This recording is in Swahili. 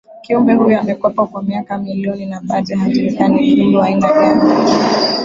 Kiumbe huyo amekuwepo kwa miaka milioni na bado hajulikani ni kiumbe wa aina gani